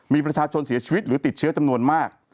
มีประชาชนเสียชีวิตหรือติดเชื้อจำนวนมาก